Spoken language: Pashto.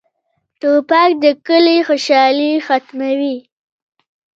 توپک د کلي خوشالي ختموي.